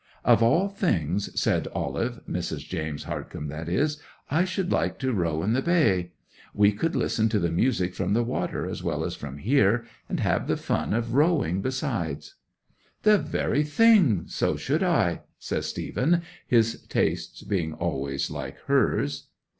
'"Of all things," said Olive (Mrs. James Hardcome, that is), "I should like to row in the bay! We could listen to the music from the water as well as from here, and have the fun of rowing besides." '"The very thing; so should I," says Stephen, his tastes being always like hers.